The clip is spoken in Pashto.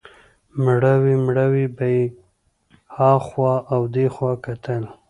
مړاوی مړاوی به یې هخوا او دېخوا کتل.